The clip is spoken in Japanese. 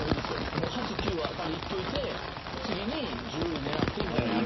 もう８９あたり行っといて次に１０位狙ってみたいなやり方も。